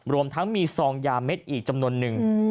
รวมทั้งมีซองยาเม็ดอีกจำนวนนึง